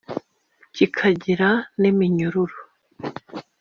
kikagira n’iminyururu